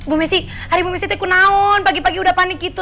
bu messi hari bu messi tekun naon pagi pagi udah panik gitu